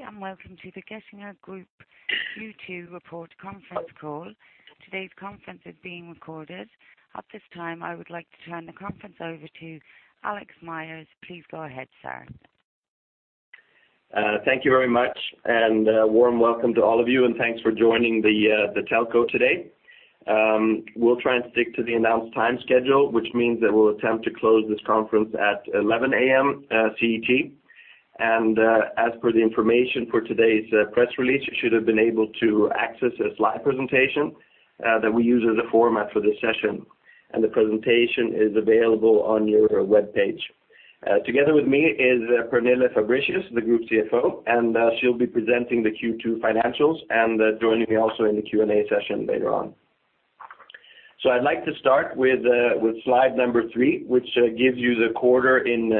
Good day, and welcome to the Getinge Group Q2 Report conference call. Today's conference is being recorded. At this time, I would like to turn the conference over to Alex Myers. Please go ahead, sir. Thank you very much, and warm welcome to all of you, and thanks for joining the telco today. We'll try and stick to the announced time schedule, which means that we'll attempt to close this conference at 11:00 A.M. CET. As per the information for today's press release, you should have been able to access a slide presentation that we use as a format for this session, and the presentation is available on your webpage. Together with me is Pernille Fabricius, the Group CFO, and she'll be presenting the Q2 financials and joining me also in the Q&A session later on. I'd like to start with slide number 3, which gives you the quarter in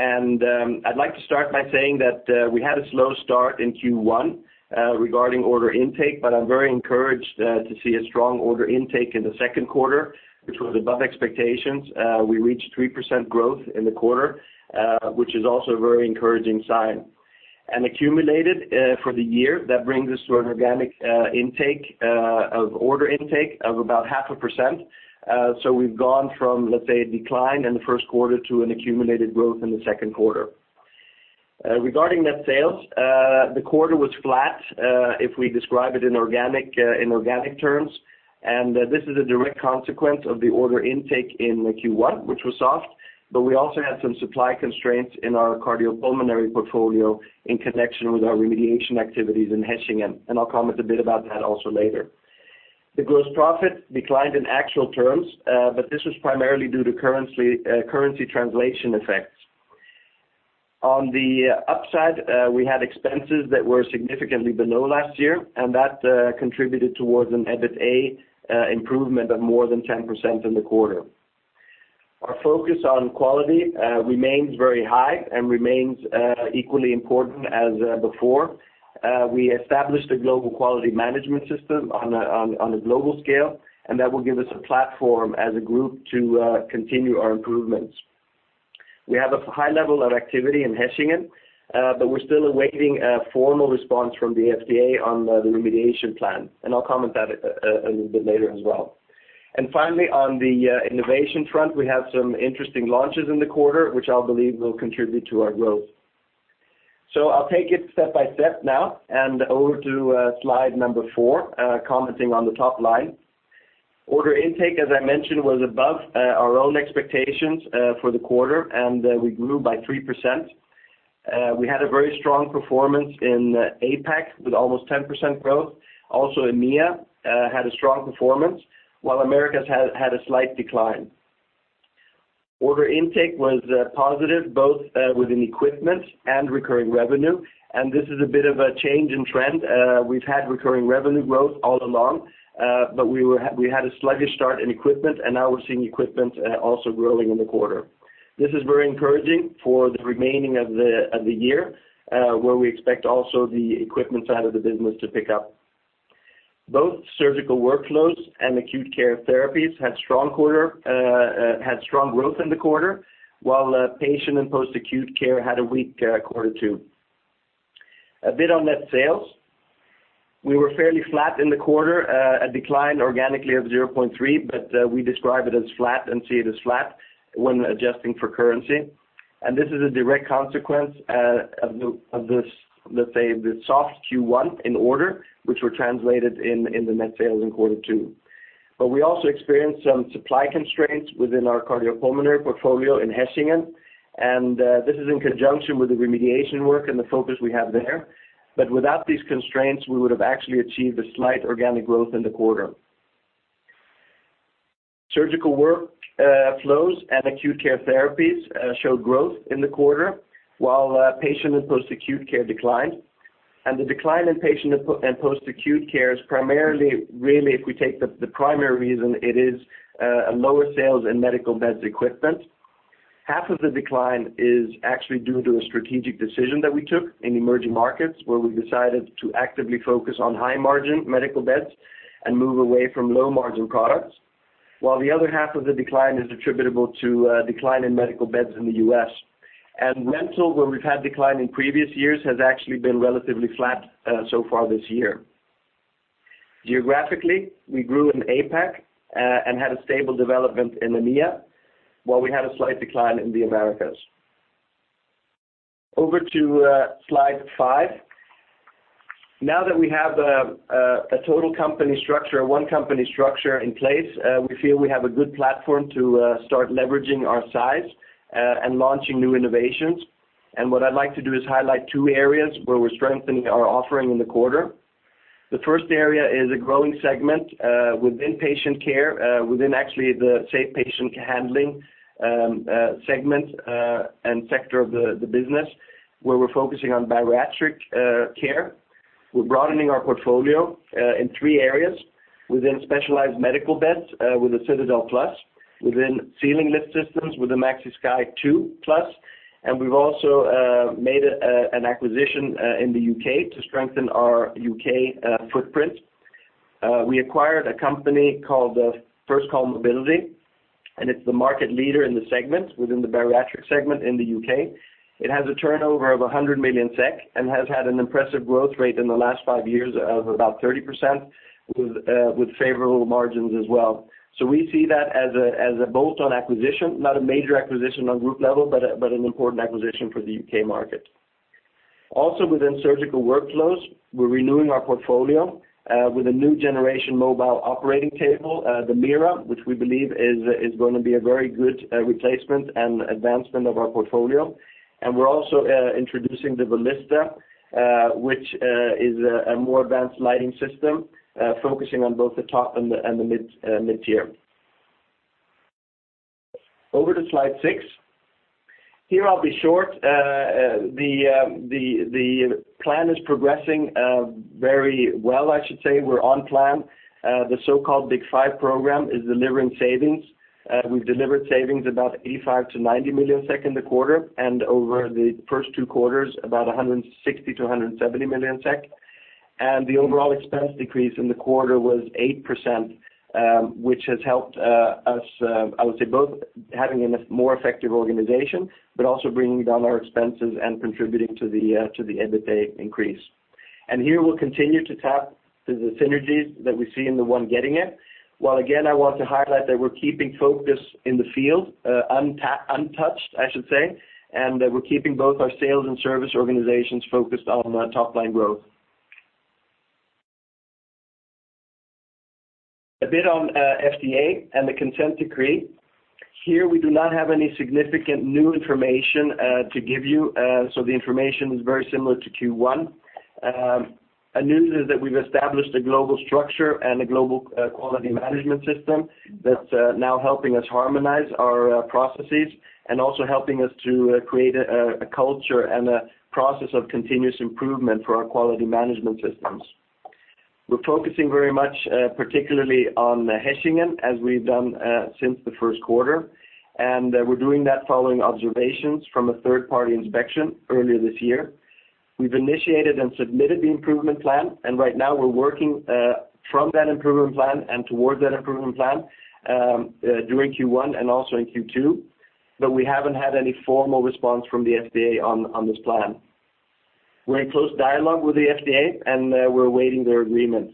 brief. I'd like to start by saying that we had a slow start in Q1 regarding order intake, but I'm very encouraged to see a strong order intake in the second quarter, which was above expectations. We reached 3% growth in the quarter, which is also a very encouraging sign. Accumulated for the year, that brings us to an organic intake of order intake of about 0.5%. So we've gone from, let's say, a decline in the first quarter to an accumulated growth in the second quarter. Regarding net sales, the quarter was flat if we describe it in organic terms, and this is a direct consequence of the order intake in the Q1, which was soft. But we also had some supply constraints in our Cardiopulmonary portfolio in connection with our remediation activities in Hechingen, and I'll comment a bit about that also later. The gross profit declined in actual terms, but this was primarily due to currency, currency translation effects. On the upside, we had expenses that were significantly below last year, and that contributed towards an EBITA improvement of more than 10% in the quarter. Our focus on quality remains very high and remains equally important as before. We established a global Quality Management System on a global scale, and that will give us a platform as a group to continue our improvements. We have a high level of activity in Hechingen, but we're still awaiting a formal response from the FDA on the remediation plan, and I'll comment that a little bit later as well. Finally, on the innovation front, we have some interesting launches in the quarter, which I believe will contribute to our growth. I'll take it step by step now, and over to slide number 4, commenting on the top line. Order intake, as I mentioned, was above our own expectations for the quarter, and we grew by 3%. We had a very strong performance in APAC with almost 10% growth. Also, EMEA had a strong performance, while Americas had a slight decline. Order intake was positive, both within equipment and recurring revenue, and this is a bit of a change in trend. We've had recurring revenue growth all along, but we were -- we had a sluggish start in equipment, and now we're seeing equipment also growing in the quarter. This is very encouraging for the remaining of the year, where we expect also the equipment side of the business to pick up. Both Surgical Workflows and Acute Care Therapies had strong quarter, had strong growth in the quarter, while Patient and Post-Acute Care had a weak quarter two. A bit on net sales. We were fairly flat in the quarter, a decline organically of 0.3%, but we describe it as flat and see it as flat when adjusting for currency. This is a direct consequence of this, let's say, the soft Q1 in orders, which were translated into the net sales in quarter two. But we also experienced some supply constraints within our cardiopulmonary portfolio in Hechingen, and this is in conjunction with the remediation work and the focus we have there. But without these constraints, we would have actually achieved a slight organic growth in the quarter. Surgical Workflows and Acute Care Therapies showed growth in the quarter, while Patient and Post-Acute Care declined. The decline in Patient and Post-Acute Care is primarily, really, if we take the primary reason, it is a lower sales in medical beds equipment. Half of the decline is actually due to a strategic decision that we took in emerging markets, where we decided to actively focus on high-margin medical beds and move away from low-margin products, while the other half of the decline is attributable to a decline in medical beds in the U.S. Rental, where we've had decline in previous years, has actually been relatively flat, so far this year. Geographically, we grew in APAC, and had a stable development in EMEA, while we had a slight decline in the Americas. Over to slide five. Now that we have a total company structure, a one-company structure in place, we feel we have a good platform to start leveraging our size, and launching new innovations. What I'd like to do is highlight two areas where we're strengthening our offering in the quarter. The first area is a growing segment within patient care, within actually the safe patient handling segment and sector of the business, where we're focusing on bariatric care. We're broadening our portfolio in three areas: within specialized medical beds with the Citadel Plus, within ceiling lift systems with the Maxi Sky 2 Plus, and we've also made an acquisition in the U.K. to strengthen our U.K. footprint. We acquired a company called 1st Call Mobility, and it's the market leader in the segment within the bariatric segment in the U.K. It has a turnover of 100 million SEK, and has had an impressive growth rate in the last five years of about 30%, with favorable margins as well. So we see that as a bolt-on acquisition, not a major acquisition on group level, but an important acquisition for the U.K. market. Also within Surgical Workflows, we're renewing our portfolio with a new generation mobile operating table, the Meera, which we believe is going to be a very good replacement and advancement of our portfolio. And we're also introducing the Volista, which is a more advanced lighting system focusing on both the top and the mid-tier. Over to Slide 6. Here, I'll be short. The plan is progressing very well, I should say. We're on plan. The so-called Big Five program is delivering savings. We've delivered savings about 85-90 million SEK in the quarter, and over the first two quarters, about 160-170 million SEK. The overall expense decrease in the quarter was 8%, which has helped us, I would say both having a more effective organization, but also bringing down our expenses and contributing to the EBITDA increase. Here, we'll continue to tap the synergies that we see in the One Getinge. While, again, I want to highlight that we're keeping focus in the field untouched, I should say, and that we're keeping both our sales and service organizations focused on top-line growth. A bit on FDA and the Consent Decree. Here, we do not have any significant new information to give you. So the information is very similar to Q1. The news is that we've established a global structure and a global Quality Management System that's now helping us harmonize our processes and also helping us to create a culture and a process of continuous improvement for our Quality Management Systems. We're focusing very much particularly on the Hechingen, as we've done since the first quarter, and we're doing that following observations from a third-party inspection earlier this year. We've initiated and submitted the improvement plan, and right now we're working from that improvement plan and towards that improvement plan during Q1 and also in Q2, but we haven't had any formal response from the FDA on this plan. We're in close dialogue with the FDA, and we're awaiting their agreement.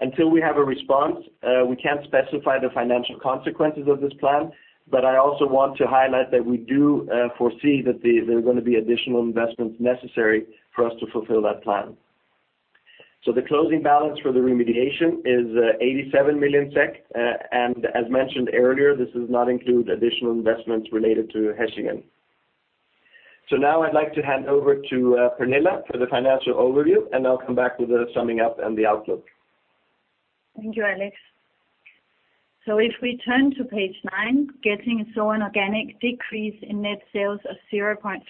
Until we have a response, we can't specify the financial consequences of this plan, but I also want to highlight that we do foresee that there are going to be additional investments necessary for us to fulfill that plan. The closing balance for the remediation is 87 million SEK, and as mentioned earlier, this does not include additional investments related to Hechingen. Now I'd like to hand over to Pernille for the financial overview, and I'll come back with the summing up and the outlook. Thank you, Alex. So if we turn to page nine, Getinge saw an organic decrease in net sales of 0.3%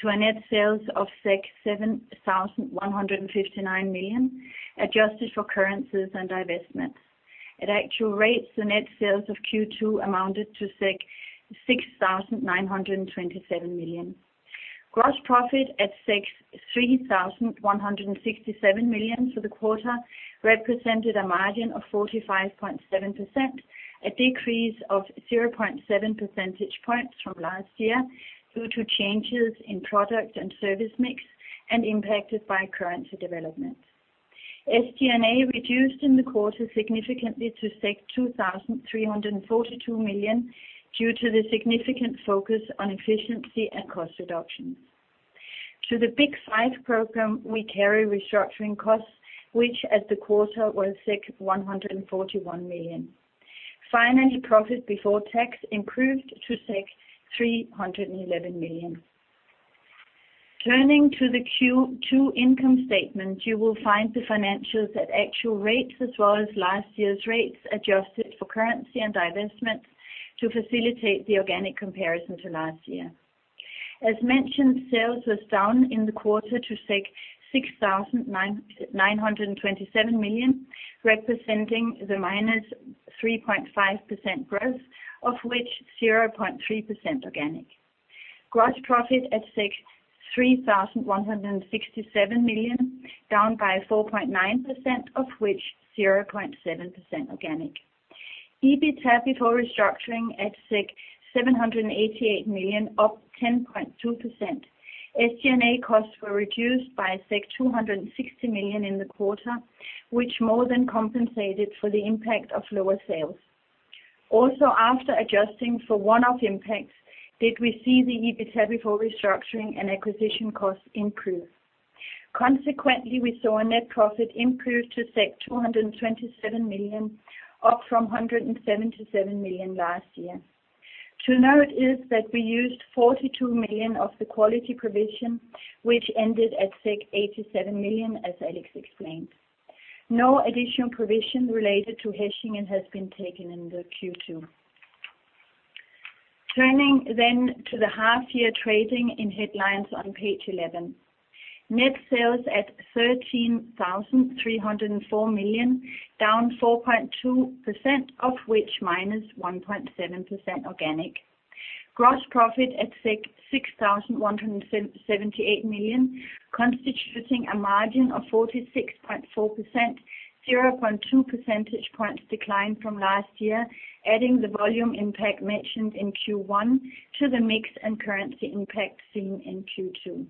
to net sales of 7,159 million, adjusted for currencies and divestments. At actual rates, the net sales of Q2 amounted to 6,927 million. Gross profit at 3,167 million for the quarter represented a margin of 45.7%, a decrease of 0.7 percentage points from last year due to changes in product and service mix and impacted by currency development. SG&A reduced in the quarter significantly to 2,342 million due to the significant focus on efficiency and cost reduction. To the Big Five program, we carry restructuring costs, which at the quarter were 141 million. Finally, profit before tax improved to 311 million. Turning to the Q2 income statement, you will find the financials at actual rates, as well as last year's rates, adjusted for currency and divestment to facilitate the organic comparison to last year. As mentioned, sales was down in the quarter to 6,927 million, representing the -3.5% growth, of which 0.3% organic. Gross profit at 3,167 million, down by 4.9%, of which 0.7% organic. EBITA before restructuring at 788 million, up 10.2%. SG&A costs were reduced by 260 million in the quarter, which more than compensated for the impact of lower sales. Also, after adjusting for one-off impacts, did we see the EBITA before restructuring and acquisition costs improve. Consequently, we saw a net profit improve to 227 million, up from 177 million last year. To note is that we used 42 million of the quality provision, which ended at 87 million, as Alex explained. No additional provision related to Hechingen has been taken in the Q2. Turning then to the half year trading in headlines on page eleven. Net sales at 13,304 million, down 4.2%, of which -1.7% organic.... Gross profit at 6,617.8 million, constituting a margin of 46.4%, 0.2 percentage points decline from last year, adding the volume impact mentioned in Q1 to the mix and currency impact seen in Q2.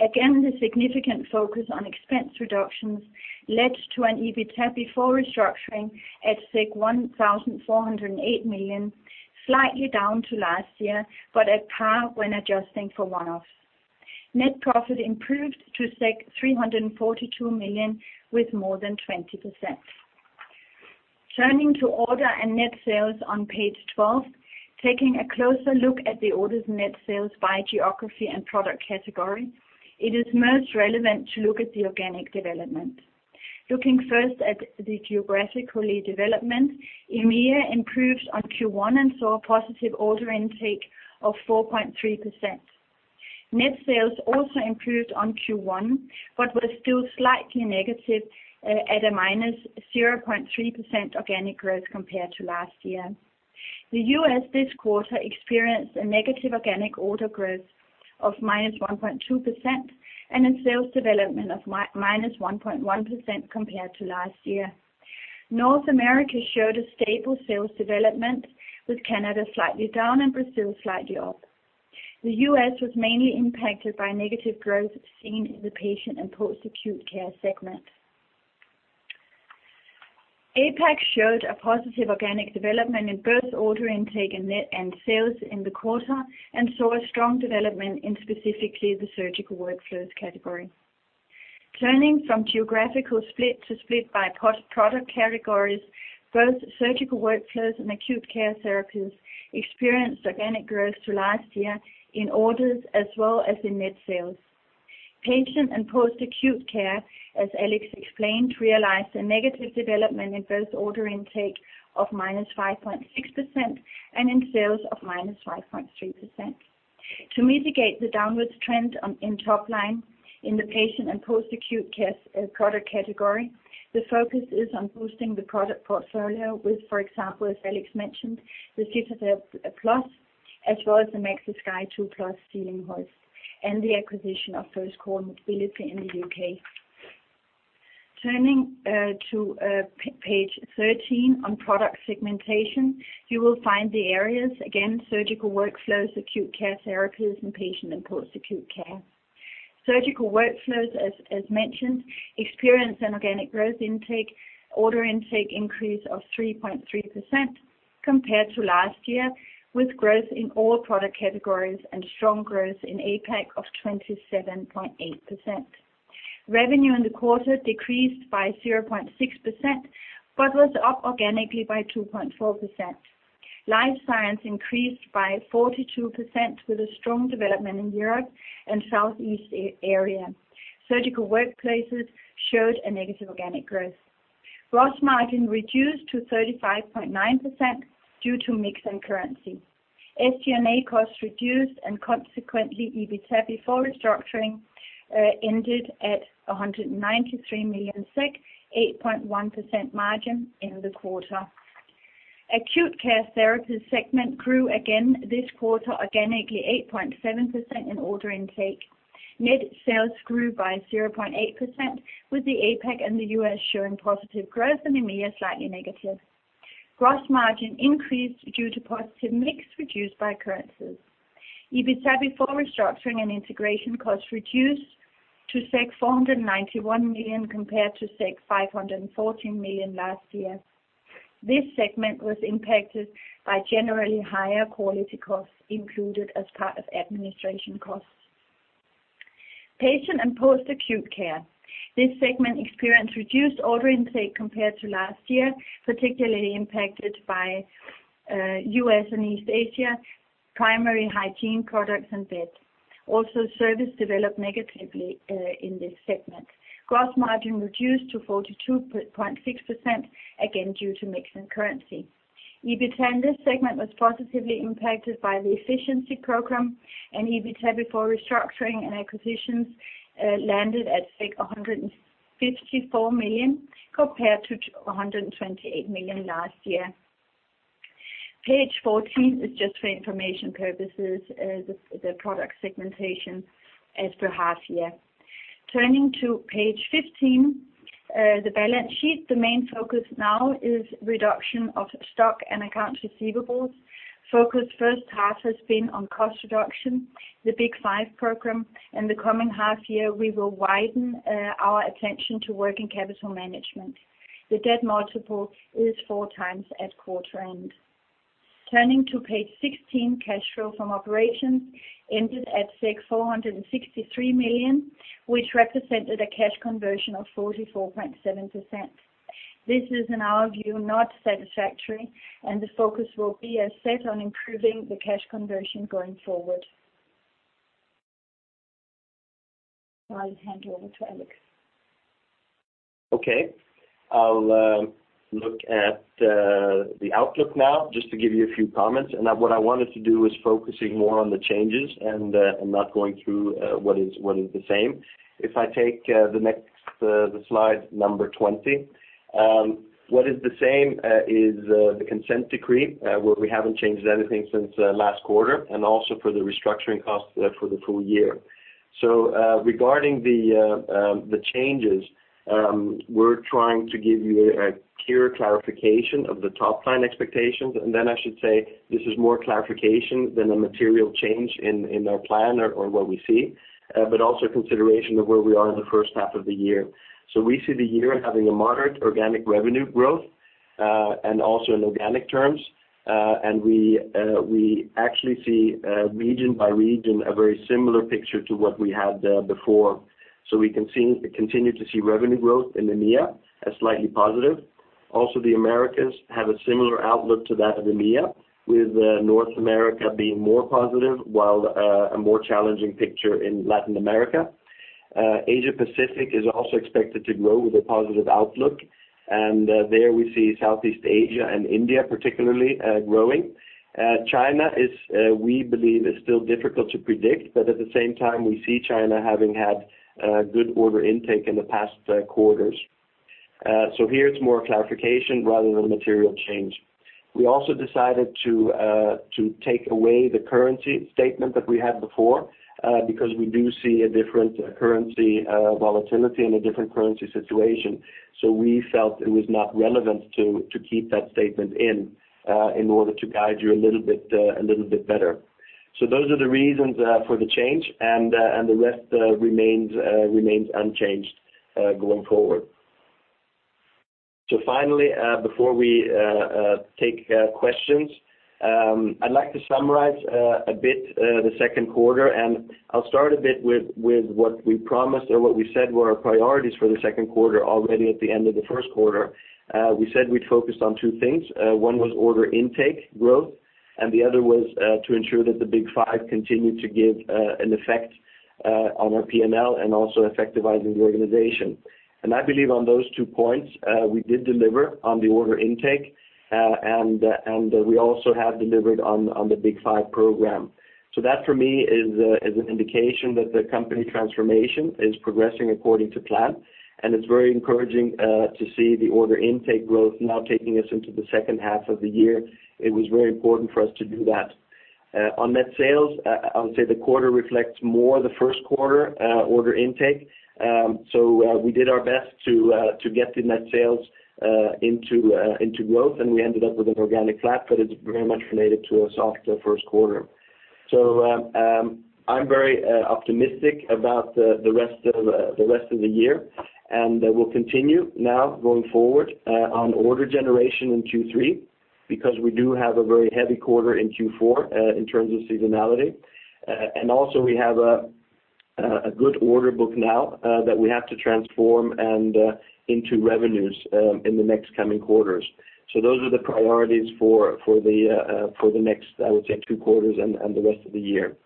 Again, the significant focus on expense reductions led to an EBITA before restructuring at 1,408 million, slightly down to last year, but at par when adjusting for one-off. Net profit improved to 342 million with more than 20%. Turning to order and net sales on page 12, taking a closer look at the orders net sales by geography and product category, it is most relevant to look at the organic development. Looking first at the geographic development, EMEA improved on Q1 and saw a positive order intake of 4.3%. Net sales also improved on Q1, but were still slightly negative at a -0.3% organic growth compared to last year. The U.S. this quarter experienced a negative organic order growth of -1.2% and a sales development of minus 1.1% compared to last year. North America showed a stable sales development, with Canada slightly down and Brazil slightly up. The U.S. was mainly impacted by negative growth seen in the Patient and Post-Acute Care segment. APAC showed a positive organic development in both order intake and net, and sales in the quarter, and saw a strong development in specifically the Surgical Workflows category. Turning from geographical split to split by product categories, both Surgical Workflows and Acute Care Therapies experienced organic growth to last year in orders as well as in net sales. Patient and Post-Acute Care, as Alex explained, realized a negative development in both order intake of -5.6% and in sales of -5.3%. To mitigate the downward trend on in top line in the Patient and Post-Acute Care product category, the focus is on boosting the product portfolio with, for example, as Alex mentioned, the Citadel Plus, as well as the Maxi Sky 2 Plus ceiling hoist, and the acquisition of 1st Call Mobility in the U.K. Turning to page thirteen on product segmentation, you will find the areas, again, Surgical Workflows, Acute Care Therapies, and Patient and Post-Acute Care. Surgical Workflows, as mentioned, experience an organic growth intake, order intake increase of 3.3% compared to last year, with growth in all product categories and strong growth in APAC of 27.8%. Revenue in the quarter decreased by 0.6%, but was up organically by 2.4%. Life Science increased by 42% with a strong development in Europe and Southeast Asia. Surgical Workflows showed a negative organic growth. Gross margin reduced to 35.9% due to mix and currency. SG&A costs reduced and consequently, EBITA before restructuring ended at 193 million SEK, 8.1% margin in the quarter. Acute Care Therapies segment grew again this quarter, organically 8.7% in order intake. Net sales grew by 0.8%, with the APAC and the U.S. showing positive growth and EMEA slightly negative. Gross margin increased due to positive mix reduced by currencies. EBITA before restructuring and integration costs reduced to 491 million compared to 514 million last year. This segment was impacted by generally higher quality costs included as part of administration costs. Patient and Post-Acute Care. This segment experienced reduced order intake compared to last year, particularly impacted by U.S. and East Asia, primary hygiene products and beds. Also, service developed negatively in this segment. Gross margin reduced to 42.6%, again, due to mix and currency. EBITA in this segment was positively impacted by the efficiency program, and EBITA before restructuring and acquisitions landed at 154 million, compared to 128 million last year. Page 14 is just for information purposes, the product segmentation as per half year. Turning to page 15, the balance sheet. The main focus now is reduction of stock and account receivables. Focus first half has been on cost reduction, the Big Five program. In the coming half year, we will widen our attention to working capital management. The debt multiple is 4x at quarter end. Turning to page 16, cash flow from operations ended at 463 million, which represented a cash conversion of 44.7%. This is, in our view, not satisfactory, and the focus will be as set on improving the cash conversion going forward. I'll hand over to Alex. Okay. I'll look at the outlook now, just to give you a few comments. And what I wanted to do is focusing more on the changes and not going through what is the same. If I take the next slide number 20, what is the same is the Consent Decree, where we haven't changed anything since last quarter, and also for the restructuring costs for the full year. So, regarding the changes, we're trying to give you a clear clarification of the top line expectations. And then I should say this is more clarification than a material change in our plan or what we see, but also consideration of where we are in the first half of the year. So we see the year having a moderate organic revenue growth, and also in organic terms. And we actually see, region by region, a very similar picture to what we had before. So we can continue to see revenue growth in EMEA as slightly positive. Also, the Americas have a similar outlook to that of EMEA, with North America being more positive, while a more challenging picture in Latin America. Asia Pacific is also expected to grow with a positive outlook, and there we see Southeast Asia and India, particularly, growing. China is, we believe, still difficult to predict, but at the same time, we see China having had good order intake in the past quarters. So here it's more clarification rather than a material change. We also decided to take away the currency statement that we had before, because we do see a different currency volatility and a different currency situation. So we felt it was not relevant to keep that statement in, in order to guide you a little bit, a little bit better. So those are the reasons for the change, and, and the rest remains, remains unchanged, going forward. So finally, before we take questions, I'd like to summarize a bit the second quarter, and I'll start a bit with what we promised or what we said were our priorities for the second quarter already at the end of the first quarter. We said we'd focus on two things. One was order intake growth, and the other was to ensure that the Big Five continued to give an effect on our PNL and also effectivizing the organization. I believe on those two points, we did deliver on the order intake, and we also have delivered on the Big Five program. So that, for me, is an indication that the company transformation is progressing according to plan, and it's very encouraging to see the order intake growth now taking us into the second half of the year. It was very important for us to do that. On net sales, I would say the quarter reflects more the first quarter order intake. So, we did our best to get the net sales into growth, and we ended up with an organic flat, but it's very much related to a soft first quarter. So, I'm very optimistic about the rest of the year, and we'll continue now going forward on order generation in Q3, because we do have a very heavy quarter in Q4 in terms of seasonality. And also we have a good order book now that we have to transform into revenues in the next coming quarters. So those are the priorities for the next, I would say, two quarters and the rest of the year.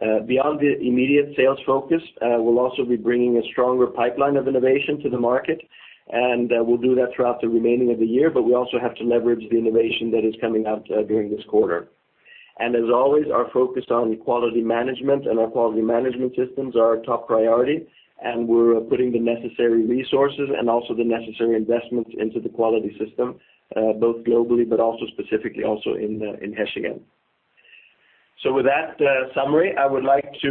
Beyond the immediate sales focus, we'll also be bringing a stronger pipeline of innovation to the market, and we'll do that throughout the remaining of the year, but we also have to leverage the innovation that is coming out during this quarter. And as always, our focus on quality management and our quality management systems are our top priority, and we're putting the necessary resources and also the necessary investments into the quality system, both globally, but also specifically in Hechingen. So with that summary, I would like to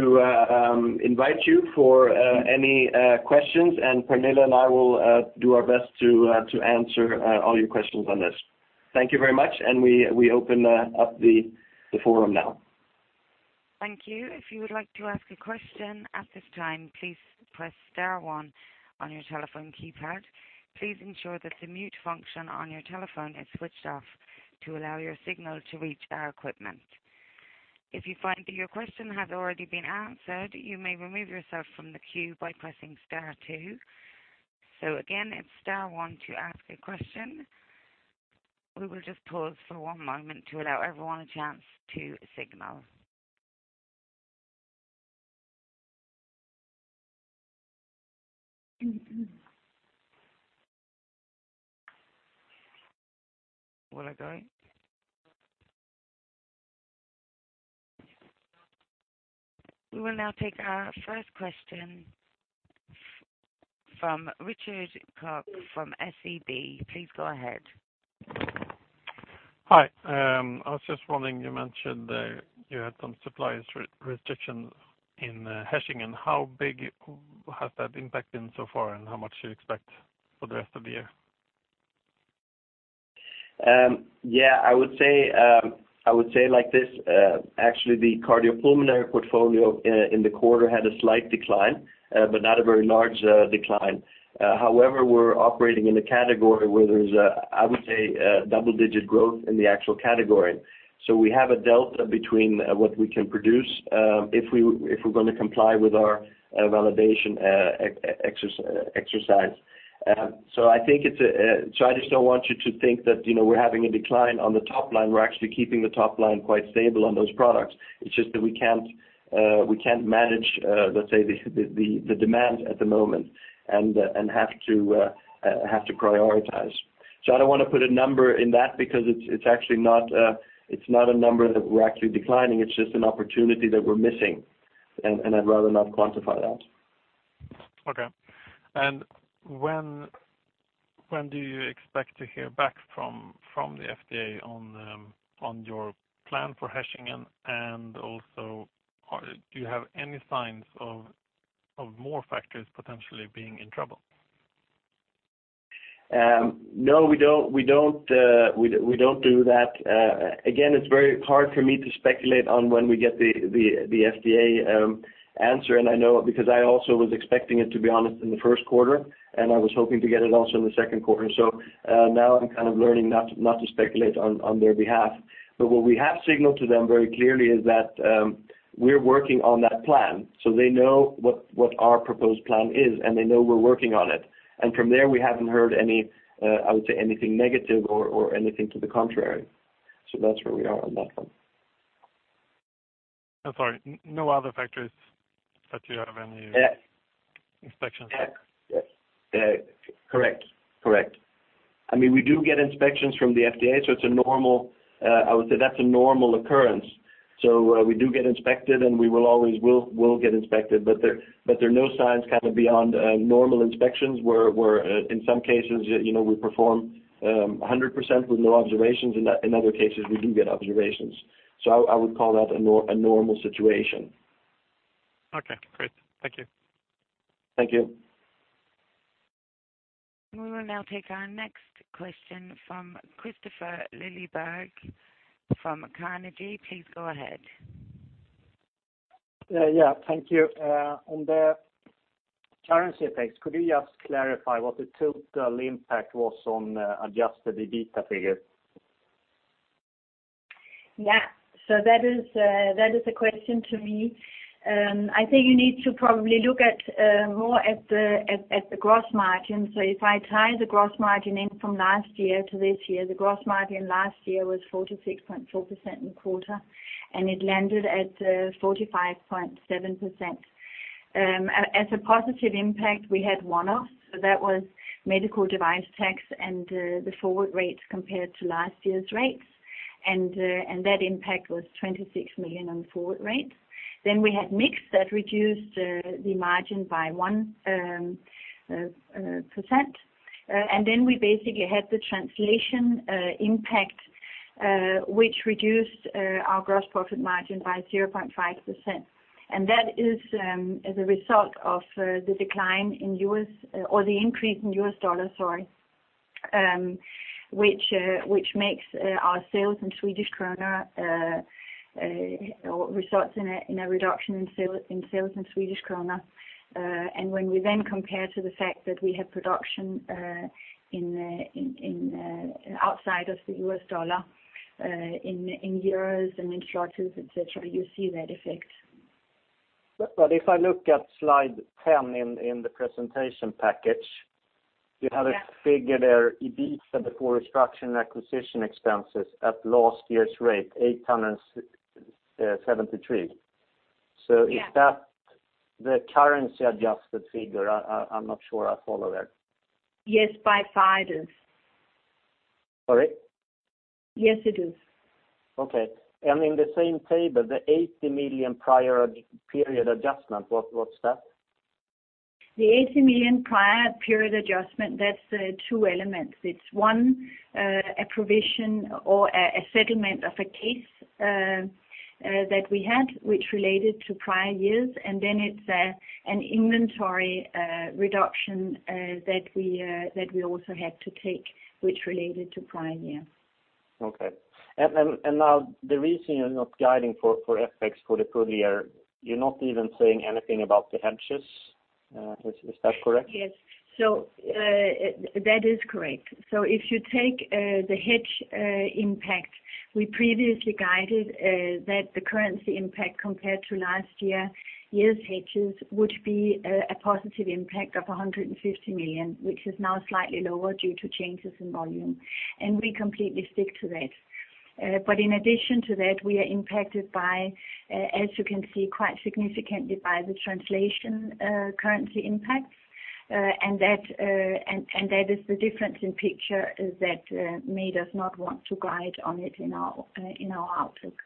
invite you for any questions, and Pernille and I will do our best to answer all your questions on this. Thank you very much, and we open up the forum now. Thank you. If you would like to ask a question at this time, please press star one on your telephone keypad. Please ensure that the mute function on your telephone is switched off to allow your signal to reach our equipment. If you find that your question has already been answered, you may remove yourself from the queue by pressing star two. So again, it's star one to ask a question. We will just pause for one moment to allow everyone a chance to signal. We will now take our first question from Richard Koch from SEB. Please go ahead. Hi. I was just wondering, you mentioned that you had some suppliers restriction in Hechingen. How big has that impact been so far, and how much do you expect for the rest of the year? Yeah, I would say, I would say like this, actually, the Cardiopulmonary portfolio in the quarter had a slight decline, but not a very large decline. However, we're operating in a category where there's a, I would say, a double-digit growth in the actual category. So we have a delta between what we can produce, if we're going to comply with our validation exercise. So I think it's a... So I just don't want you to think that, you know, we're having a decline on the top line. We're actually keeping the top line quite stable on those products. It's just that we can't, we can't manage, let's say, the demand at the moment and have to prioritize. I don't want to put a number in that because it's actually not a number that we're actually declining. It's just an opportunity that we're missing, and I'd rather not quantify that.... Okay. And when do you expect to hear back from the FDA on your plan for Hechingen, and also, do you have any signs of more facilities potentially being in trouble? No, we don't do that. Again, it's very hard for me to speculate on when we get the FDA answer, and I know it because I also was expecting it, to be honest, in the first quarter, and I was hoping to get it also in the second quarter. So, now I'm kind of learning not to speculate on their behalf. But what we have signaled to them very clearly is that, we're working on that plan, so they know what our proposed plan is, and they know we're working on it. And from there, we haven't heard any, I would say, anything negative or anything to the contrary. So that's where we are on that one. I'm sorry, no other factors that you have any- Yeah. -inspections? Yeah. Yeah. Correct. Correct. I mean, we do get inspections from the FDA, so it's a normal, I would say that's a normal occurrence. So, we do get inspected, and we will always get inspected, but there are no signs kind of beyond normal inspections, where in some cases, you know, we perform 100% with no observations, in that in other cases, we do get observations. So I would call that a normal situation. Okay, great. Thank you. Thank you. We will now take our next question from Kristofer Liljeberg, from Carnegie. Please go ahead. Yeah, thank you. On the currency effects, could you just clarify what the total impact was on adjusted EBITDA figure? Yeah. So that is a question to me. I think you need to probably look at more at the gross margin. So if I tie the gross margin in from last year to this year, the gross margin last year was 46.4% in quarter, and it landed at 45.7%. As a positive impact, we had one-off, so that was medical device tax and the forward rates compared to last year's rates, and that impact was 26 million on the forward rates. Then we had mix that reduced the margin by 1%. And then we basically had the translation impact which reduced our gross profit margin by 0.5%. That is, as a result of the decline in the U.S. dollar, or the increase in the U.S. dollar, sorry, which makes our sales in Swedish krona, or results in a reduction in sales in Swedish krona. When we then compare to the fact that we have production outside of the U.S. dollar, in euros and in shortages, et cetera, you see that effect. But if I look at Slide 10 in the presentation package- Yeah. You have a figure there, EBITDA before restructuring acquisition expenses at last year's rate, 873. Yeah. So is that the currency-adjusted figure? I'm not sure I follow that. Yes, by far it is. Sorry? Yes, it is. Okay. And in the same table, the 80 million prior period adjustment, what's that? The 80 million prior period adjustment, that's, two elements. It's one, a provision or a, a settlement of a case, that we had, which related to prior years, and then it's, an inventory, reduction, that we, that we also had to take, which related to prior years. Okay. And now, the reason you're not guiding for FX for the full year, you're not even saying anything about the hedges. Is that correct? Yes. So, that is correct. So if you take, the hedge, impact, we previously guided, that the currency impact compared to last year, year's hedges, would be, a positive impact of 150 million, which is now slightly lower due to changes in volume, and we completely stick to that. But in addition to that, we are impacted by, as you can see, quite significantly by the translation, currency impact, and that, and that is the difference in picture, is that, made us not want to guide on it in our, in our outlook.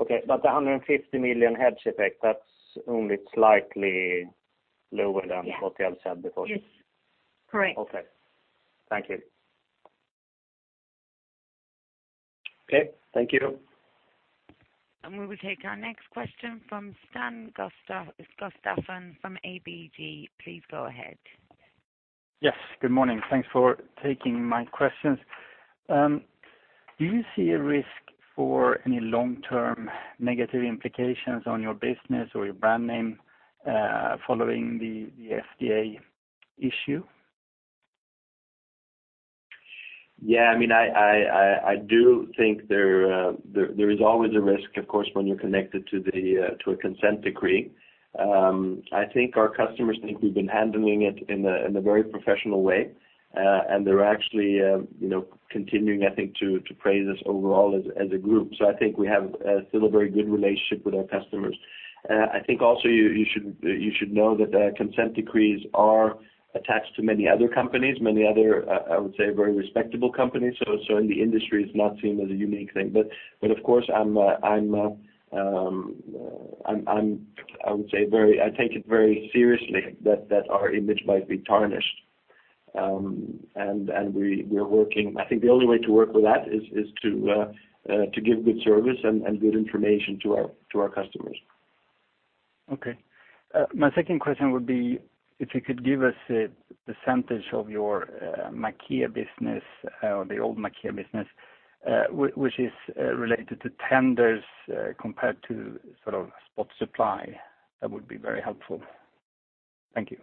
Okay, but the 150 million hedge effect, that's only slightly lower than- Yeah. What you had said before? Yes. Correct. Okay. Thank you. Okay, thank you. We will take our next question from Sten Gustafsson from ABG. Please go ahead. Yes, good morning. Thanks for taking my questions. Do you see a risk for any long-term negative implications on your business or your brand name, following the FDA issue? Yeah, I mean, I do think there is always a risk, of course, when you're connected to a Consent Decree. I think our customers think we've been handling it in a very professional way, and they're actually, you know, continuing, I think, to praise us overall as a group. So I think we have still a very good relationship with our customers. I think also you should know that the Consent Decrees are attached to many other companies, many other, I would say, very respectable companies. So in the industry, it's not seen as a unique thing. But of course, I take it very seriously that our image might be tarnished. And we are working. I think the only way to work with that is to give good service and good information to our customers. Okay. My second question would be if you could give us a percentage of your Maquet business, the old Maquet business, which is related to tenders, compared to sort of spot supply. That would be very helpful. Thank you.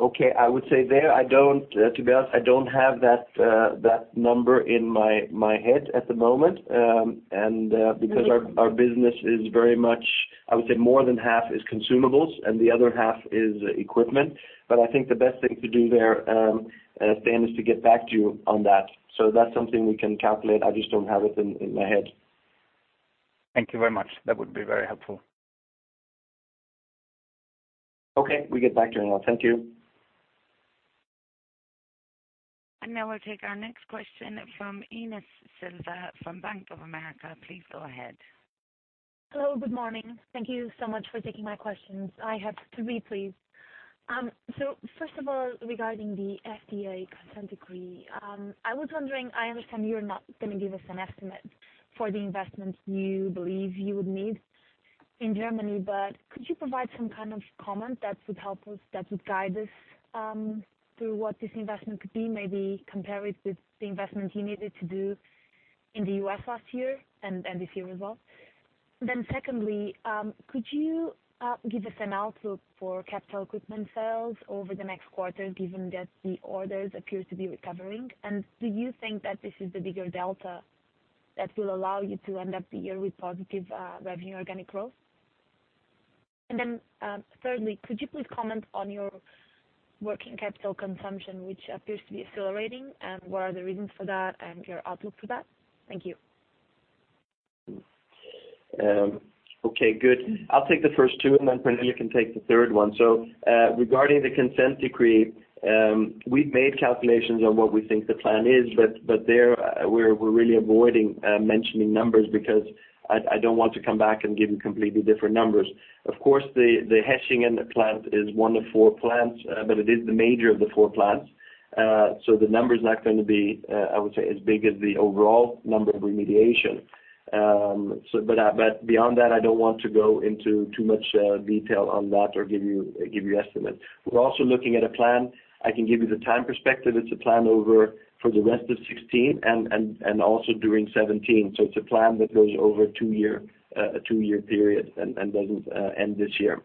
Okay. I would say there, to be honest, I don't have that number in my head at the moment. Because our business is very much, I would say more than half is consumables, and the other half is equipment. But I think the best thing to do there, Sten, is to get back to you on that. So that's something we can calculate. I just don't have it in my head. Thank you very much. That would be very helpful. Okay, we get back to you now. Thank you. Now we'll take our next question from Ines Silva, from Bank of America. Please go ahead. Hello, good morning. Thank you so much for taking my questions. I have three, please. So first of all, regarding the FDA Consent Decree, I was wondering, I understand you're not gonna give us an estimate for the investments you believe you would need in Germany, but could you provide some kind of comment that would help us, that would guide us, through what this investment could be? Maybe compare it with the investment you needed to do in the U.S. last year and, and this year as well. Then secondly, could you give us an outlook for capital equipment sales over the next quarter, given that the orders appear to be recovering? And do you think that this is the bigger delta that will allow you to end up the year with positive revenue organic growth? And then, thirdly, could you please comment on your working capital consumption, which appears to be accelerating, and what are the reasons for that and your outlook for that? Thank you. Okay, good. I'll take the first two, and then Pernille can take the third one. So, regarding the Consent Decree, we've made calculations on what we think the plan is, but there, we're really avoiding mentioning numbers because I don't want to come back and give you completely different numbers. Of course, the Hechingen plant is one of four plants, but it is the major of the four plants. So the number is not going to be, I would say, as big as the overall number of remediation. But beyond that, I don't want to go into too much detail on that or give you estimates. We're also looking at a plan. I can give you the time perspective. It's a plan overview for the rest of 2016 and also during 2017. So it's a plan that goes over a two-year period and doesn't end this year.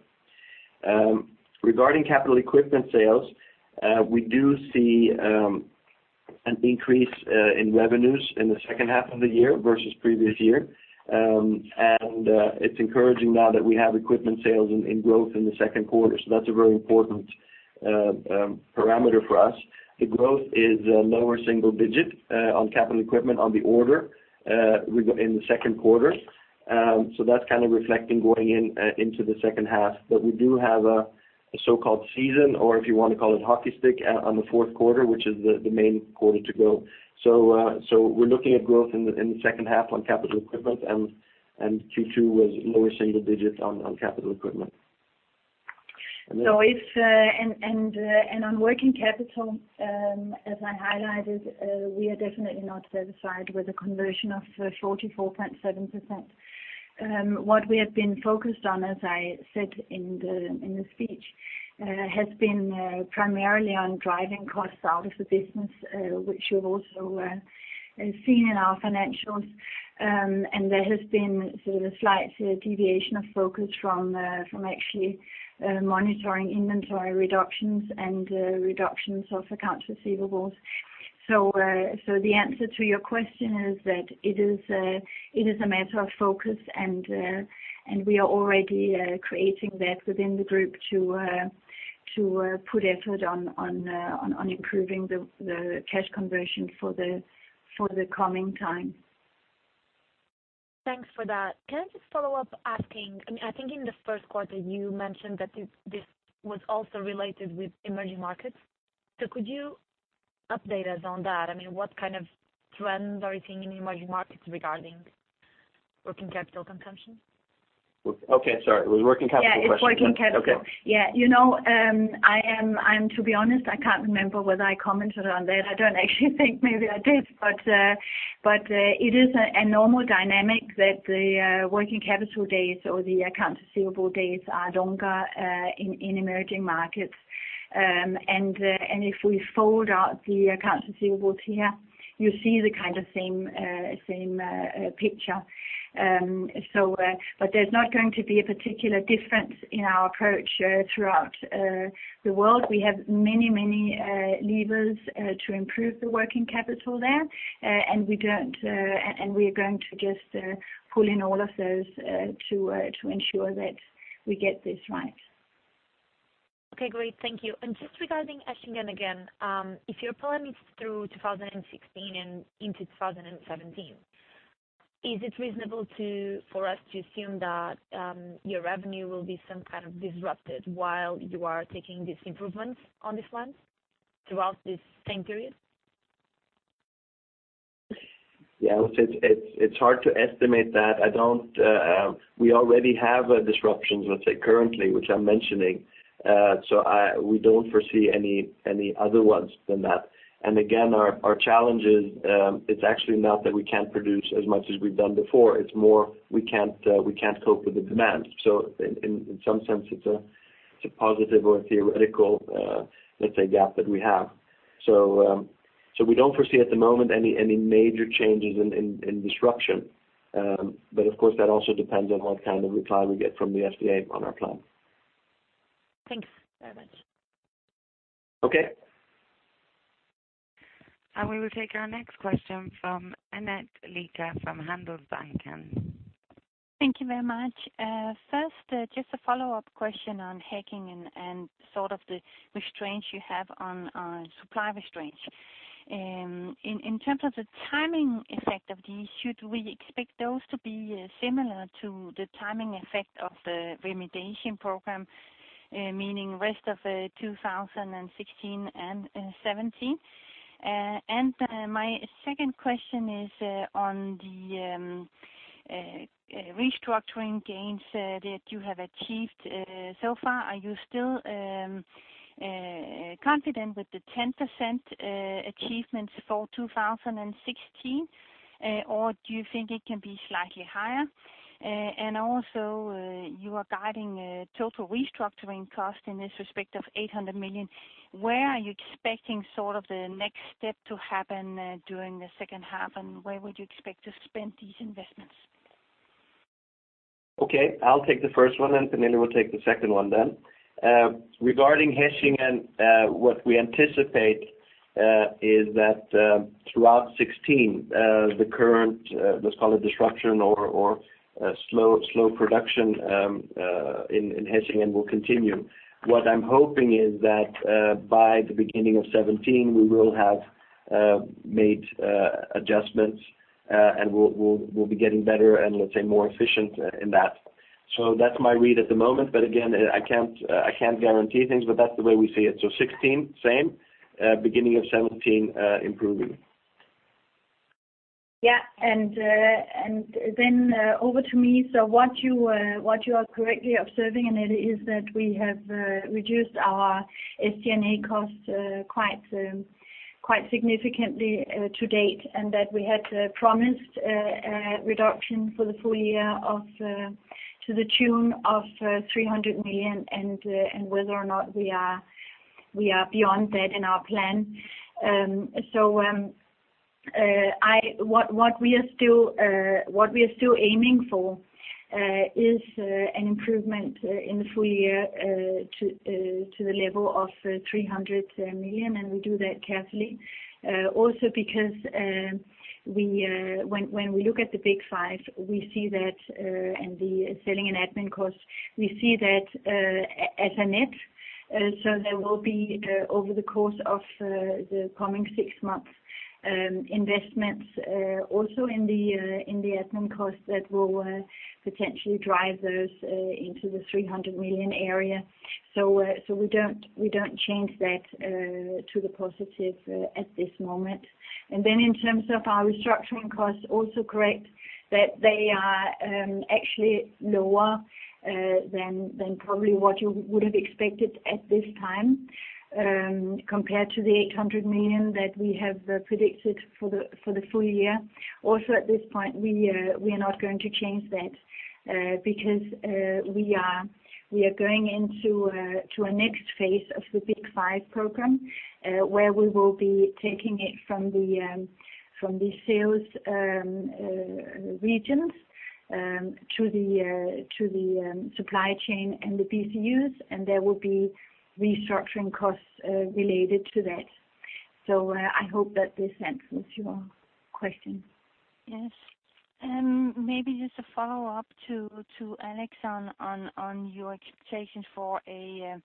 Regarding capital equipment sales, we do see an increase in revenues in the second half of the year versus previous year. And it's encouraging now that we have equipment sales in growth in the second quarter. So that's a very important parameter for us. The growth is lower single-digit on capital equipment on the order growth in the second quarter. So that's kind of reflecting going into the second half. But we do have a so-called season, or if you want to call it hockey stick, on the fourth quarter, which is the main quarter to go. So, so we're looking at growth in the second half on capital equipment, and Q2 was lower single digits on capital equipment. So, on working capital, as I highlighted, we are definitely not satisfied with the conversion of 44.7%. What we have been focused on, as I said in the speech, has been primarily on driving costs out of the business, which you've also seen in our financials. And there has been sort of a slight deviation of focus from actually monitoring inventory reductions and reductions of accounts receivables. So the answer to your question is that it is a matter of focus, and we are already creating that within the group to put effort on improving the cash conversion for the coming time. Thanks for that. Can I just follow up, asking, I mean, I think in the first quarter, you mentioned that this, this was also related with emerging markets. So could you update us on that? I mean, what kind of trends are you seeing in emerging markets regarding working capital consumption? Okay, sorry. It was working capital question? Yeah, it's working capital. Okay. Yeah. You know, to be honest, I'm, I can't remember whether I commented on that. I don't actually think maybe I did, but, but, it is a normal dynamic that the working capital days or the account receivable days are longer in emerging markets. And if we fold out the account receivables here, you see the kind of same picture. So, but there's not going to be a particular difference in our approach throughout the world. We have many, many levers to improve the working capital there, and we don't, and we are going to just pull in all of those to ensure that we get this right. Okay, great. Thank you. And just regarding Hechingen again, if your plan is through 2016 and into 2017, is it reasonable to, for us to assume that, your revenue will be some kind of disrupted while you are taking these improvements on this plant throughout this same period?... Yeah, I would say it's hard to estimate that. I don't, we already have disruptions, let's say, currently, which I'm mentioning. So we don't foresee any other ones than that. And again, our challenge is, it's actually not that we can't produce as much as we've done before, it's more we can't cope with the demand. So in some sense, it's a positive or a theoretical, let's say, gap that we have. So we don't foresee at the moment any major changes in disruption. But of course, that also depends on what kind of reply we get from the FDA on our plan. Thanks very much. Okay. We will take our next question from Annette Lykke from Handelsbanken. Thank you very much. First, just a follow-up question on Hechingen and sort of the constraints you have on supply constraints. In terms of the timing effect of these, should we expect those to be similar to the timing effect of the remediation program, meaning rest of 2016 and 2017? And my second question is on the restructuring gains that you have achieved so far. Are you still confident with the 10% achievements for 2016? Or do you think it can be slightly higher? And also, you are guiding a total restructuring cost in this respect of 800 million. Where are you expecting sort of the next step to happen during the second half, and where would you expect to spend these investments? Okay, I'll take the first one, and Pernille will take the second one then. Regarding Hechingen and what we anticipate is that throughout 2016, the current, let's call it disruption or slow production in Hechingen will continue. What I'm hoping is that by the beginning of 2017, we will have made adjustments and we'll be getting better and, let's say, more efficient in that. So that's my read at the moment, but again, I can't guarantee things, but that's the way we see it. So 2016, same, beginning of 2017, improving. Yeah, and then, over to me. So what you are correctly observing, Annette, is that we have reduced our SG&A costs quite significantly to date, and that we had promised a reduction for the full year of to the tune of 300 million, and whether or not we are, we are beyond that in our plan. So what we are still aiming for is an improvement in the full year to the level of 300 million, and we do that carefully. Also because, when we look at the Big Five, we see that, and the selling and admin costs, we see that as a net. So there will be, over the course of, the coming six months, investments, also in the, in the admin costs that will, potentially drive those, into the 300 million area. So, so we don't, we don't change that, to the positive, at this moment. And then in terms of our restructuring costs, also correct, that they are, actually lower, than, than probably what you would have expected at this time, compared to the 800 million that we have, predicted for the, for the full year. Also, at this point, we are not going to change that, because we are going into a next phase of the Big Five program, where we will be taking it from the sales regions to the supply chain and the PCUs, and there will be restructuring costs related to that. So, I hope that this answers your question. Yes. Maybe just a follow-up to Alex on your expectations for a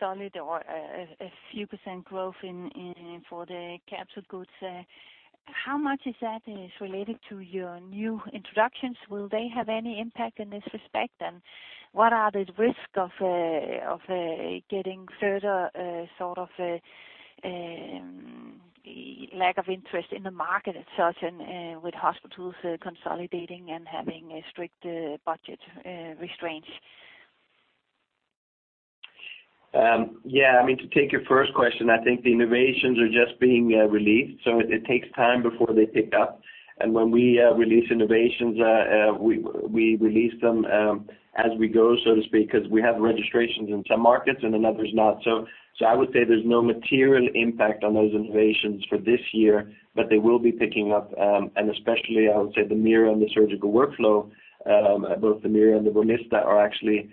solid or a few percent growth for the capsule goods. How much of that is related to your new introductions? Will they have any impact in this respect, and what are the risks of getting further sort of lack of interest in the market itself, with hospitals consolidating and having strict budget restraints? Yeah, I mean, to take your first question, I think the innovations are just being released, so it takes time before they pick up. And when we release innovations, we release them as we go, so to speak, because we have registrations in some markets and another is not. So I would say there's no material impact on those innovations for this year, but they will be picking up, and especially, I would say, the Meera and the Surgical Workflows, both the Meera and the Volista are actually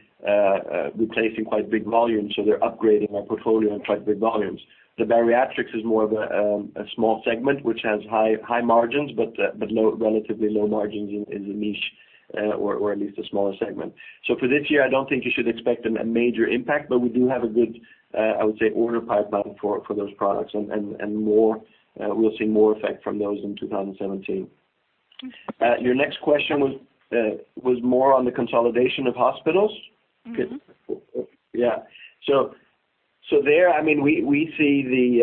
replacing quite big volumes, so they're upgrading our portfolio on quite big volumes. The bariatrics is more of a small segment, which has high margins, but low, relatively low margins in the niche, or at least a smaller segment. So for this year, I don't think you should expect a major impact, but we do have a good, I would say, order pipeline for those products and more, we'll see more effect from those in 2017. Thank you. Your next question was more on the consolidation of hospitals? Mm-hmm. Good. Yeah. So there, I mean, we see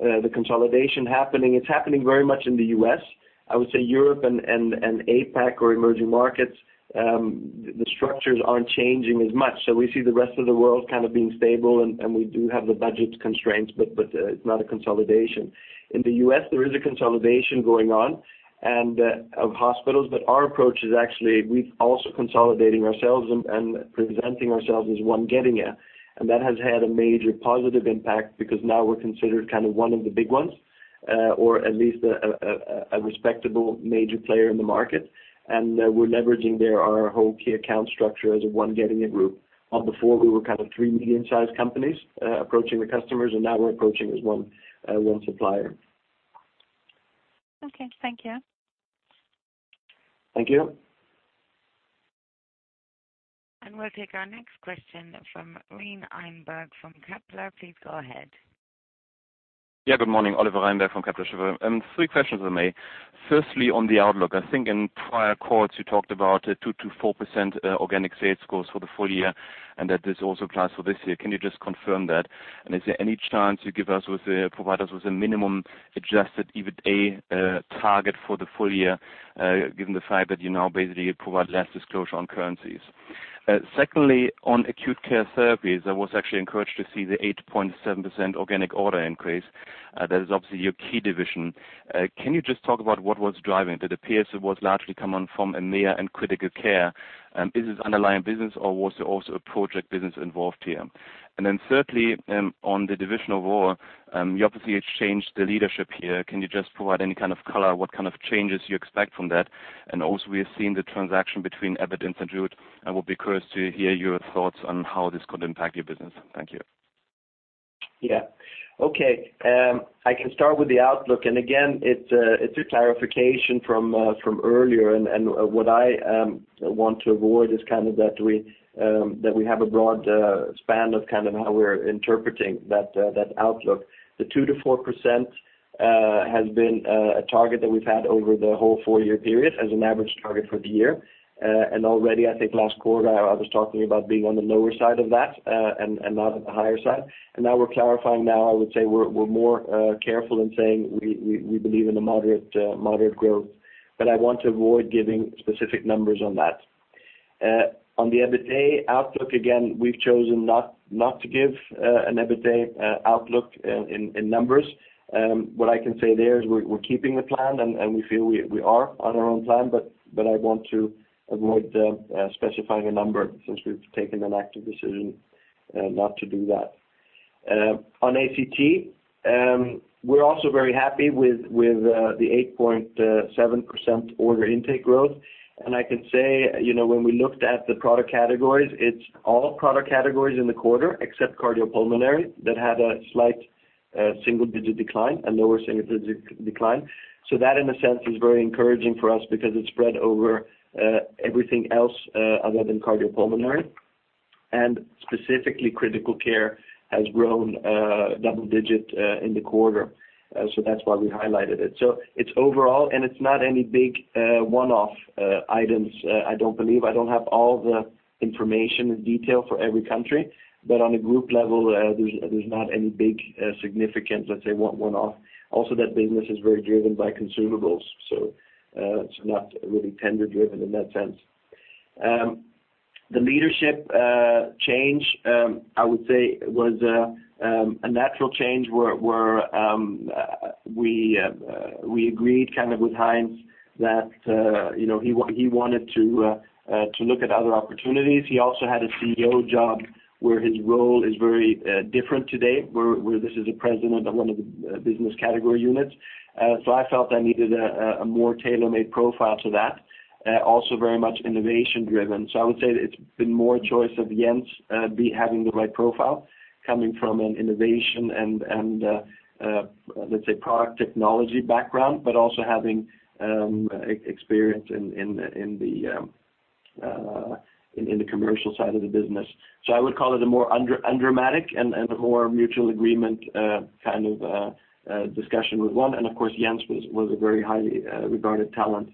the consolidation happening. It's happening very much in the U.S. I would say Europe and APAC or emerging markets, the structures aren't changing as much. So we see the rest of the world kind of being stable, and we do have the budget constraints, but it's not a consolidation. In the U.S., there is a consolidation going on, and of hospitals, but our approach is actually we've also consolidating ourselves and presenting ourselves as One Getinge. And that has had a major positive impact because now we're considered kind of one of the big ones, or at least a respectable major player in the market. And we're leveraging there our whole key account structure as One Getinge group. One before, we were kind of three medium-sized companies approaching the customers, and now we're approaching as one, one supplier. Okay, thank you. Thank you. We'll take our next question from Oliver Reinberg from Kepler. Please go ahead. Yeah, good morning. Oliver Reinberg from Kepler Cheuvreux. Three questions, if I may. Firstly, on the outlook, I think in prior calls, you talked about a 2%-4% organic sales growth for the full year, and that this also applies for this year. Can you just confirm that? And is there any chance you give us with the- provide us with a minimum adjusted EBITDA target for the full year, given the fact that you now basically provide less disclosure on currencies? Secondly, on Acute Care Therapies, I was actually encouraged to see the 8.7% organic order increase. That is obviously your key division. Can you just talk about what was driving? That appears it was largely coming from EMEA and critical care. Is this underlying business or was there also a project business involved here? Thirdly, on the divisional ward, you obviously changed the leadership here. Can you just provide any kind of color, what kind of changes you expect from that? Also, we have seen the transaction between Abbott and St. Jude, and we'll be curious to hear your thoughts on how this could impact your business. Thank you. Yeah. Okay, I can start with the outlook. And again, it's a clarification from earlier. And what I want to avoid is kind of that we have a broad span of kind of how we're interpreting that outlook. The 2%-4% has been a target that we've had over the whole four-year period as an average target for the year. And already, I think last quarter, I was talking about being on the lower side of that and not at the higher side. And now we're clarifying now. I would say we're more careful in saying we believe in a moderate growth, but I want to avoid giving specific numbers on that. On the EBITDA outlook, again, we've chosen not, not to give, an EBITDA, outlook in, in, in numbers. What I can say there is we're, we're keeping the plan, and, and we feel we, we are on our own plan, but, but I want to avoid, specifying a number since we've taken an active decision, not to do that. On ACT, we're also very happy with, with, the 8.7% order intake growth. And I can say, you know, when we looked at the product categories, it's all product categories in the quarter, except cardiopulmonary, that had a slight, single-digit decline, a lower single-digit decline. So that, in a sense, is very encouraging for us because it spread over, everything else, other than cardiopulmonary. And specifically, critical care has grown double-digit in the quarter. So that's why we highlighted it. So it's overall, and it's not any big one-off items, I don't believe. I don't have all the information and detail for every country, but on a group level, there's not any big significant, let's say, one-off. Also, that business is very driven by consumables, so it's not really tender-driven in that sense. The leadership change, I would say was a natural change where we agreed kind of with Heinz that, you know, he wanted to look at other opportunities. He also had a CEO job where his role is very different today, where this is a president of one of the business category units. So I felt I needed a more tailor-made profile to that, also very much innovation-driven. So I would say it's been more choice of Jens having the right profile, coming from an innovation and let's say product technology background, but also having experience in the commercial side of the business. So I would call it a more undramatic and a more mutual agreement kind of discussion with one. And of course, Jens was a very highly regarded talent.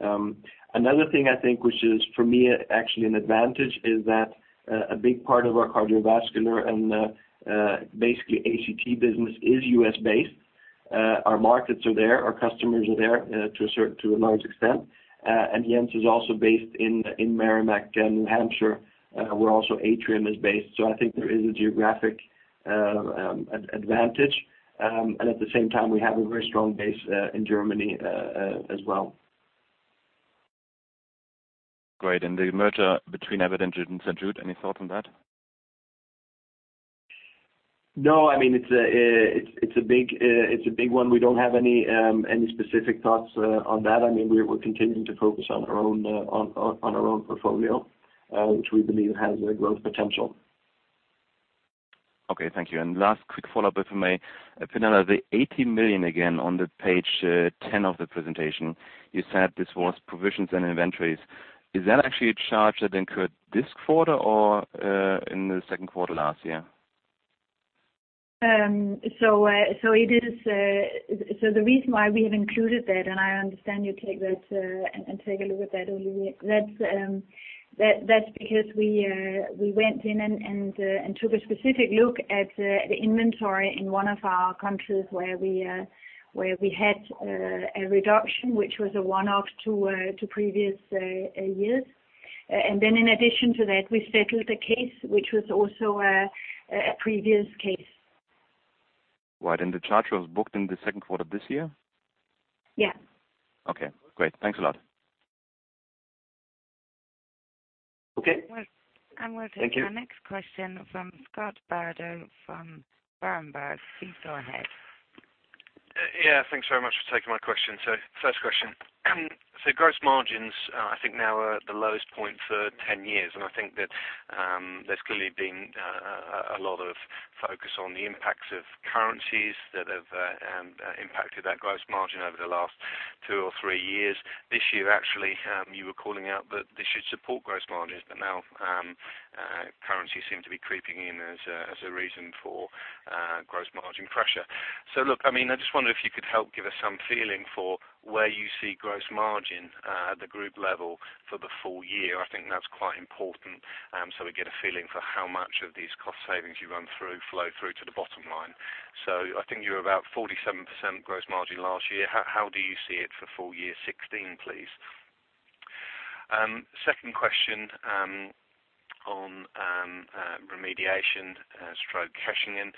Another thing I think, which is for me, actually an advantage, is that, a big part of our cardiovascular and, basically ACT business is U.S.-based. Our markets are there, our customers are there, to a large extent. And Jens is also based in Merrimack, New Hampshire, where also Atrium is based. So I think there is a geographic advantage. And at the same time, we have a very strong base, in Germany, as well. Great. And the merger between Abbott and St. Jude, any thought on that? No, I mean, it's a big one. We don't have any specific thoughts on that. I mean, we're continuing to focus on our own portfolio, which we believe has a growth potential. Okay, thank you. Last quick follow-up, if I may. Pernille, the 80 million, again, on page 10 of the presentation, you said this was provisions and inventories. Is that actually a charge that incurred this quarter or in the second quarter last year?... So, the reason why we have included that, and I understand you take that, and take a look at that earlier. That's because we went in and took a specific look at the inventory in one of our countries where we had a reduction, which was a one-off to previous years. And then in addition to that, we settled a case, which was also a previous case. Right, and the charge was booked in the second quarter of this year? Yeah. Okay, great. Thanks a lot. Okay. And we'll take- Thank you. Our next question from Scott Bardo from Berenberg. Please go ahead. Yeah, thanks very much for taking my question. So first question. So gross margins, I think now are at the lowest point for 10 years, and I think that there's clearly been a lot of focus on the impacts of currencies that have impacted that gross margin over the last two or three years. This year, actually, you were calling out that this should support gross margins, but now currencies seem to be creeping in as a reason for gross margin pressure. So look, I mean, I just wonder if you could help give us some feeling for where you see gross margin at the group level for the full year. I think that's quite important, so we get a feeling for how much of these cost savings you run through, flow through to the bottom line. So I think you're about 47% gross margin last year. How do you see it for full year 2016, please? Second question, on remediation costs cashing in.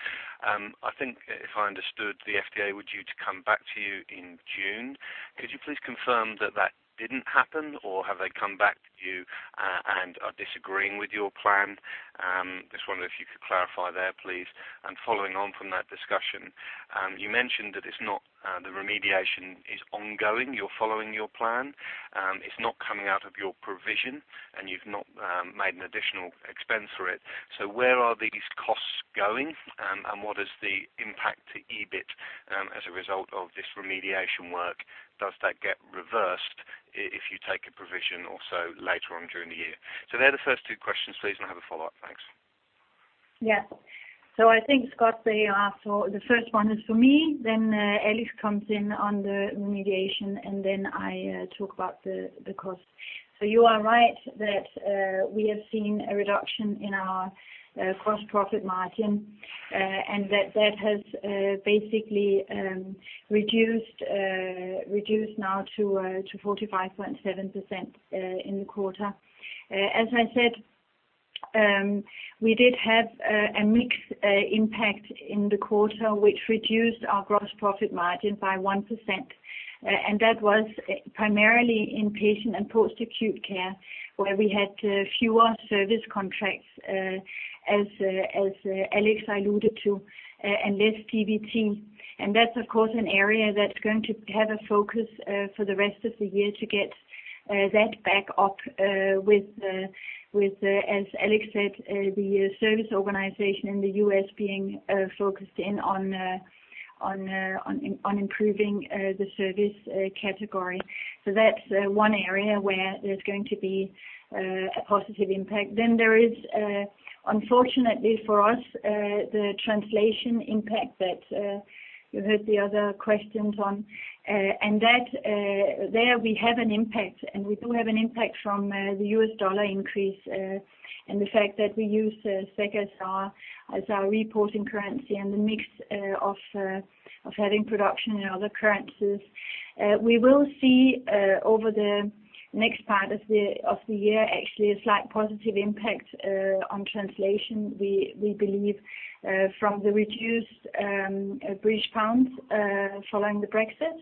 I think if I understood, the FDA was due to come back to you in June. Could you please confirm that that didn't happen, or have they come back to you, and are disagreeing with your plan? Just wondering if you could clarify there, please. And following on from that discussion, you mentioned that it's not, the remediation is ongoing, you're following your plan. It's not coming out of your provision, and you've not made an additional expense for it. Where are these costs going? And what is the impact to EBIT as a result of this remediation work? Does that get reversed if you take a provision or so later on during the year? They're the first two questions, please, and I have a follow-up. Thanks. Yeah. So I think, Scott, they are for, the first one is for me, then, Alex comes in on the remediation, and then I talk about the cost. So you are right that we have seen a reduction in our gross profit margin, and that that has basically reduced now to 45.7% in the quarter. As I said, we did have a mixed impact in the quarter, which reduced our gross profit margin by 1%, and that was primarily in Patient and Post-Acute Care, where we had fewer service contracts, as Alex alluded to, and less DVT. And that's, of course, an area that's going to have a focus for the rest of the year to get that back up with, as Alex said, the service organization in the U.S. being focused in on improving the service category. So that's one area where there's going to be a positive impact. Then there is, unfortunately for us, the translation impact that you heard the other questions on. And that, there we have an impact, and we do have an impact from the U.S. dollar increase and the fact that we use the SEK as our reporting currency and the mix of having production in other currencies. We will see over the next part of the year, actually a slight positive impact on translation, we believe, from the reduced British pound following the Brexit.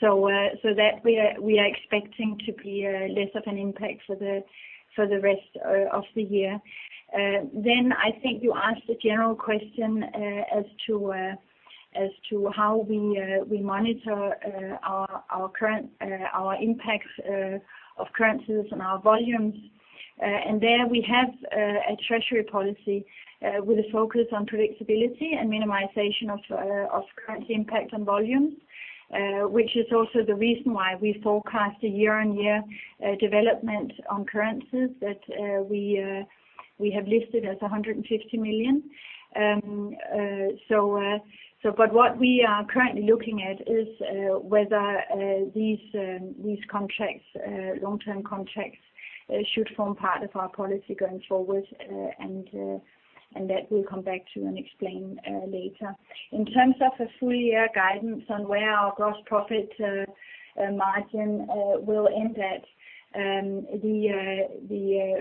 So that we are expecting to be less of an impact for the rest of the year. Then I think you asked a general question as to how we monitor our current impacts of currencies and our volumes. And there we have a treasury policy with a focus on predictability and minimization of currency impact on volumes. Which is also the reason why we forecast a year-on-year development on currencies that we have listed as 150 million. But what we are currently looking at is whether these long-term contracts should form part of our policy going forward, and that we'll come back to and explain later. In terms of a full year guidance on where our gross profit margin will end at, the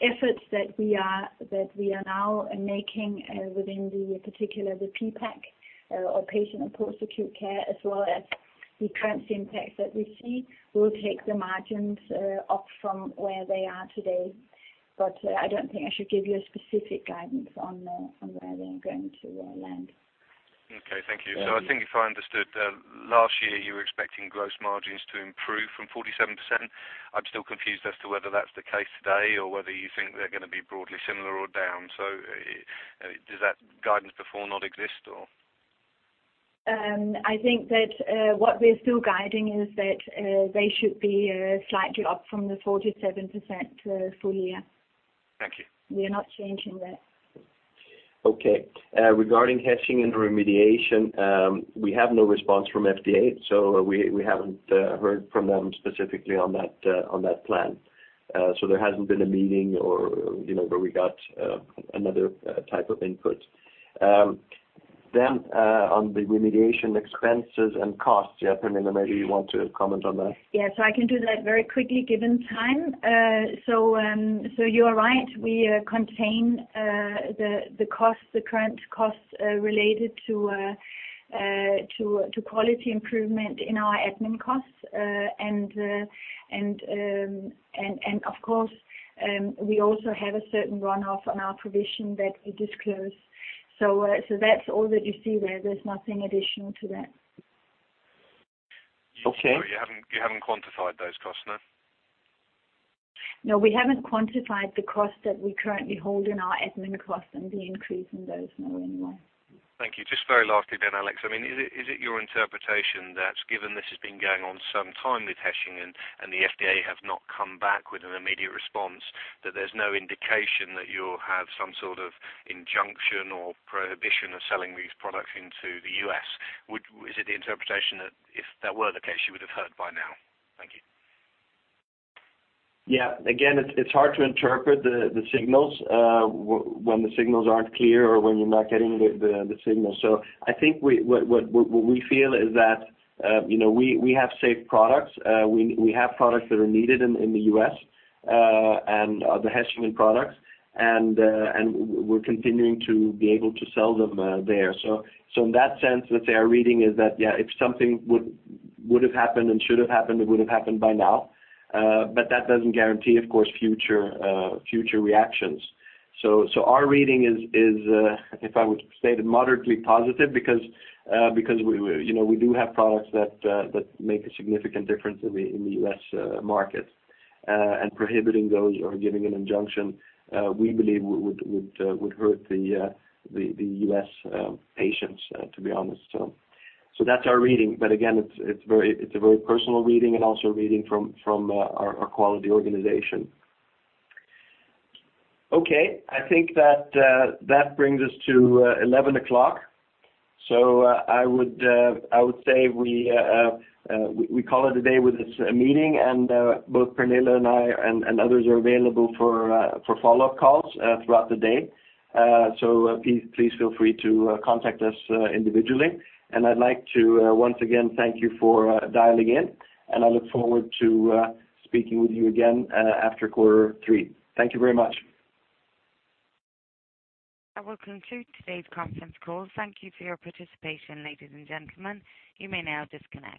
efforts that we are now making within the PPAC, or Patient and Post-Acute Care, as well as the currency impacts that we see, will take the margins up from where they are today. But I don't think I should give you a specific guidance on where they are going to land. Okay, thank you. Yeah. So I think if I understood, last year, you were expecting gross margins to improve from 47%. I'm still confused as to whether that's the case today or whether you think they're going to be broadly similar or down. So, does that guidance before not exist, or?... I think that what we're still guiding is that they should be slightly up from the 47% full year. Thank you. We are not changing that. Okay. Regarding Hechingen and remediation, we have no response from FDA, so we, we haven't heard from them specifically on that, on that plan. So there hasn't been a meeting or, you know, where we got another type of input. Then, on the remediation expenses and costs, yeah, Pernille, maybe you want to comment on that? Yeah, so I can do that very quickly, given time. You are right, we contain the costs, the current costs related to quality improvement in our admin costs. Of course, we also have a certain run-off on our provision that we disclose. That's all that you see there. There's nothing additional to that. Okay. You haven't, you haven't quantified those costs, no? No, we haven't quantified the costs that we currently hold in our admin costs and the increase in those, no, anymore. Thank you. Just very lastly then, Alex, I mean, is it, is it your interpretation that given this has been going on some time with Hechingen and, and the FDA have not come back with an immediate response, that there's no indication that you'll have some sort of injunction or prohibition of selling these products into the U.S.? Would... Is it the interpretation that if that were the case, you would have heard by now? Thank you. Yeah. Again, it's hard to interpret the signals when the signals aren't clear or when you're not getting the signals. So I think what we feel is that, you know, we have safe products. We have products that are needed in the U.S., and the Hechingen products, and we're continuing to be able to sell them there. So in that sense, let's say our reading is that, yeah, if something would have happened and should have happened, it would have happened by now. But that doesn't guarantee, of course, future reactions. So our reading is, if I would say it, moderately positive, because we, you know, we do have products that make a significant difference in the U.S. market. And prohibiting those or giving an injunction, we believe would hurt the U.S. patients, to be honest. So that's our reading. But again, it's very, it's a very personal reading and also a reading from our quality organization. Okay. I think that brings us to 11 o'clock. So I would say we call it a day with this meeting, and both Pernille and I, and others are available for follow-up calls throughout the day. Please, please feel free to contact us individually. I'd like to once again thank you for dialing in, and I look forward to speaking with you again after quarter three. Thank you very much. That will conclude today's conference call. Thank you for your participation, ladies and gentlemen. You may now disconnect.